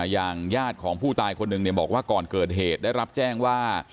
อย่างญาติของผู้ตายคนหนึ่งบอกว่าก่อนเกิดเหตุได้รับแจ้งว่า